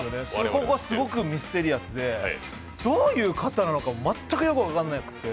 僕はすごいミステリアスで、どういう方なのか全くよく分からなくて。